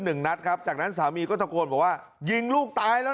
หนึ่งนัดครับจากนั้นสามีก็ตะโกนบอกว่ายิงลูกตายแล้ว